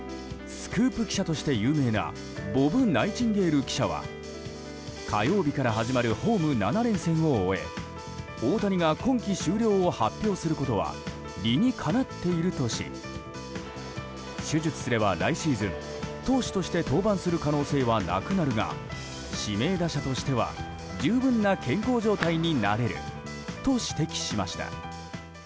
スクープ記者として有名なボブ・ナイチンゲール記者は火曜日から始まるホーム７連戦を終え大谷が今季終了を発表することは理にかなっているとし手術すれば来シーズン投手として登板する可能性はなくなるが指名打者としては十分な健康状態になれると指摘しました。